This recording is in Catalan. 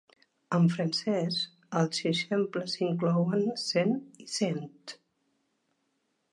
En francès, els exemples inclouen "sain" i "saint".